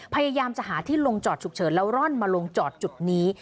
พยายามจะหาที่ลงจอดฉุกเฉินแล้วร่อนมาลงจอดจุดนี้